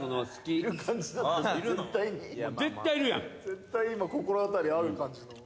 絶対今心当たりある感じの。